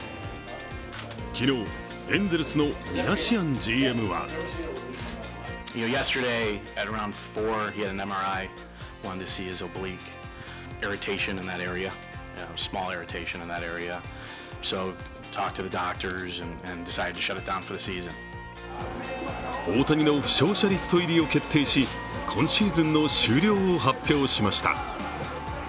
昨日、エンゼルスのミナシアンＧＭは大谷の負傷者リスト入りを決定し今シーズンの終了を発表しました。